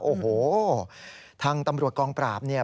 โอ้โหทางตำรวจกองปราบเนี่ย